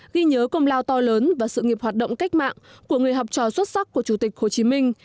ghi nhớ công lao to lớn và sự nghiệp hoạt động cách mạng của người học trò xuất sắc của chủ tịch hồ chí minh